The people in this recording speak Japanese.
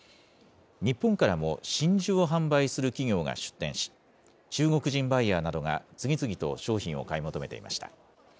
日本からも、真珠を販売する企業が出展し、中国人バイヤーなどが次々と商品を買い求めていました。